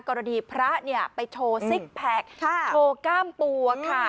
กรดีพระไปโชว์ซิกแป็กโชวก้ามปั้วค่ะ